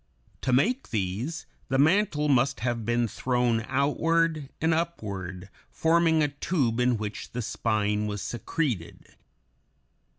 To make these, the mantle must have been thrown outward and upward, forming a tube in which the spine was secreted.